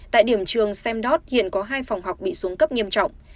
tại điểm trường semdot hiện có hai phòng học bị xuống cấp nghiêm trọng